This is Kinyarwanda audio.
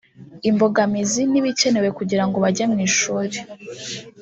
imbogamizi n’ibikenewe kugira ngo bajye mu ishuri